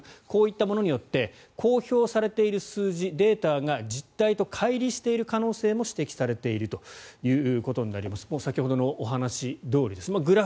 こういったものによって公表されている数字、データが実態と、かい離している可能性も指摘されているということになります。